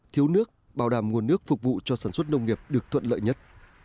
thiếu nước bảo đảm nguồn nước phục vụ cho sản xuất nông nghiệp được thuận lợi nhất